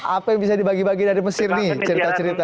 apa yang bisa dibagi bagi dari mesir nih cerita cerita